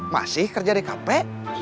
masih kerja di kafe